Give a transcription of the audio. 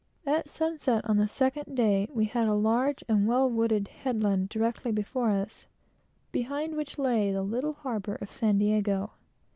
At sunset on the second day, we had a large and well wooded headland directly before us, behind which lay the little harbor of San Diego.